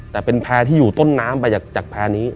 แต่เป็นแพร่ที่อยู่ต้นน้ำไปจากแพร่นี้